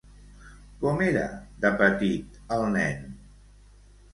Com era de petit el nen?